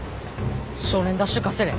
「少年ダッシュ」貸せれ。